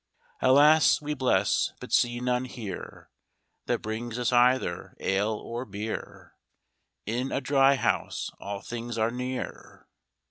Alas! we bless, but see none here, That brings us either ale or beer; In a dry house all things are near.